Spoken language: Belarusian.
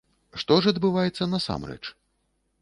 Што ж адбываецца насамрэч?